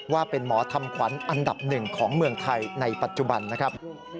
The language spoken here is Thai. ว่าเป็นหมอทำขวัญอันดับหนึ่งของเมืองไทยในปัจจุบันนะครับ